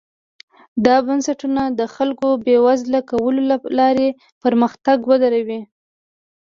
دا بنسټونه د خلکو بېوزله کولو له لارې پرمختګ ودروي.